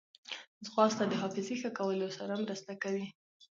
ځغاسته د حافظې ښه کولو سره مرسته کوي